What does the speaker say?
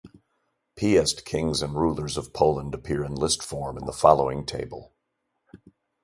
Piast kings and rulers of Poland appear in list form in the following table.